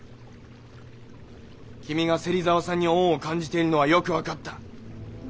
君が芹沢さんに恩を感じているのはよく分かった。